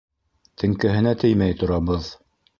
Теңкәһенә теймәй торабыҙ.